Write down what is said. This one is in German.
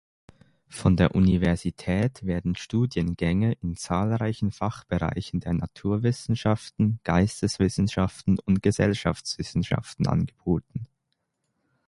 Von der Universität werden Studiengänge in zahlreichen Fachbereichen der Naturwissenschaften, Geisteswissenschaften und Gesellschaftswissenschaften angeboten.